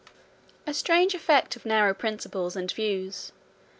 A strange effect of narrow principles and views!